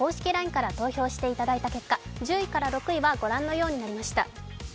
ＬＩＮＥから投票していただいた結果、１０位から６位はご覧のようになりました。